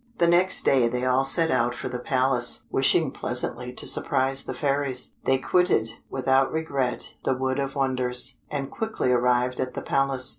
The next day they all set out for the Palace, wishing pleasantly to surprise the fairies. They quitted, without regret, the Wood of Wonders, and quickly arrived at the Palace.